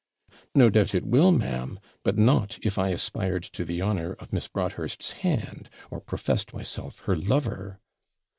'No doubt it will, ma'am; but not if I aspired to the honour of Miss Broadhurst's hand, or professed myself her lover.'